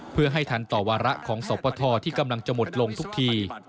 เพื่อให้ทันต่อวาระของสปทที่กำลังจะหมดลงทุกที